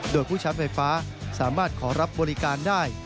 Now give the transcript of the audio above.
โดยผู้ชาร์จไฟฟ้าสามารถขอรับบริการได้